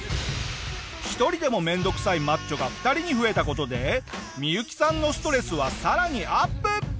１人でも面倒くさいマッチョが２人に増えた事でミユキさんのストレスはさらにアップ！